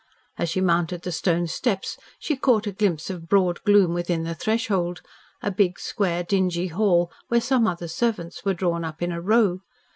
As she mounted the stone steps she caught a glimpse of broad gloom within the threshold, a big, square, dingy hall where some other servants were drawn up in a row.